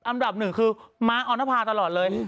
อันดับหนึ่งคือม้าออนภาตลอดเลย